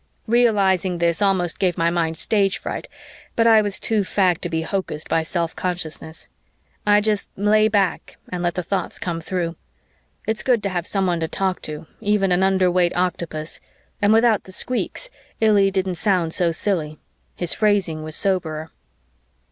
Realizing this almost gave my mind stage fright, but I was too fagged to be hocused by self consciousness. I just lay back and let the thoughts come through. It's good to have someone talk to you, even an underweight octopus, and without the squeaks Illy didn't sound so silly; his phrasing was soberer.